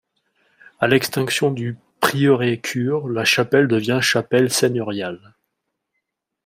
À l'extinction du prieuré-cure, la chapelle devient chapelle seigneuriale.